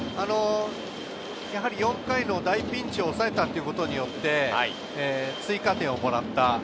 やはり４回の大ピンチを抑えたことによって、追加点をもらった。